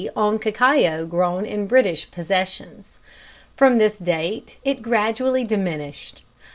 on cacao grown in British possessions. From this date it gradually diminished.